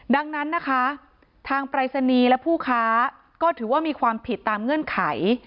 ดังนั้นนะคะทางปรายศนีย์และผู้ค้าก็ถือว่ามีความผิดตามเงื่อนไข